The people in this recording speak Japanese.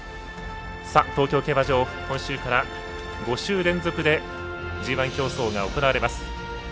東京競馬場、今週から５週連続でＧＩ競走が行われます。